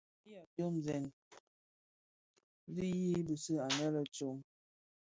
Dhi dhim a dyomzèn dhi diyis bisig anne lè tsom.